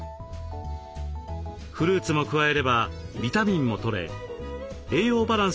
フルーツも加えればビタミンもとれ栄養バランスのとれた朝食に。